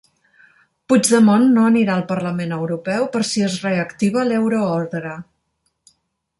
Puigdemont no anirà al Parlament Europeu per si es reactiva l'euroordre